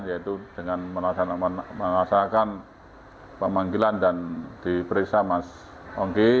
yaitu dengan mengasahkan pemanggilan dan diperiksa mas ongke